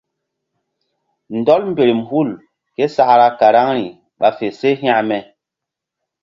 Ndɔl mberem hul ké sakra nzukri ɓa fe se hekme.